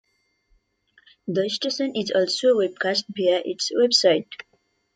The station is also webcast via its website.